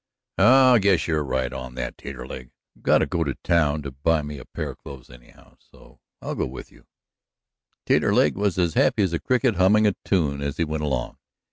"I guess you're right on that, Taterleg. I've got to go to town to buy me a pair of clothes, anyhow, so I'll go you." Taterleg was as happy as a cricket, humming a tune as he went along.